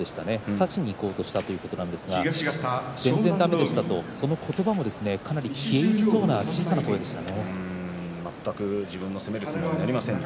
差しにいこうとしたということなんですが全然だめでしたとその言葉も消え入りそうな小さい声でした。